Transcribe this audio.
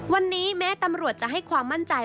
วันนี้แม้ตำรวจจะให้ความมั่นใจ